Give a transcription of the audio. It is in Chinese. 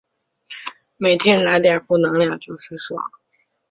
每天来点负能量就是爽